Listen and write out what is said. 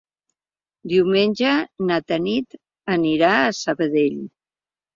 Diumenge na Tanit anirà a Sabadell.